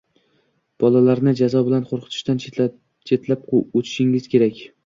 bolalarni jazo bilan qo‘rqitishdan chetlab o'tishingiz kerak.